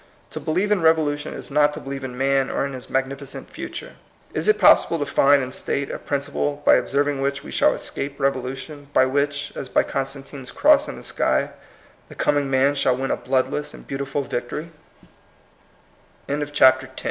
To believe in revolution is not to believe in man or in his magnificent future. Is it possible to find and state a princi ple by observing which we shall escape rev olution ; by which, as by Constantine's cross in the sky, the coming man shall win a bloodless and beauti